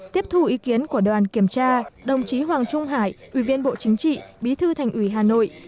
tiếp thu ý kiến của đoàn kiểm tra đồng chí hoàng trung hải ủy viên bộ chính trị bí thư thành ủy hà nội